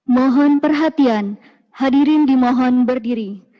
mohon perhatian hadirin di mohon berdiri